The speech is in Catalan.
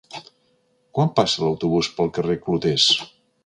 Quan passa l'autobús pel carrer Clotés?